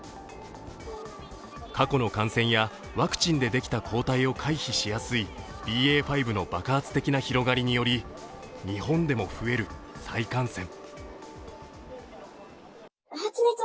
過去の感染やワクチンでできた抗体を回避しやすいＢＡ．５の爆発的な広がりにより、日本でも増える再感染。